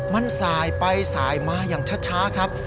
มันสายไปสายมาอย่างช้าครับ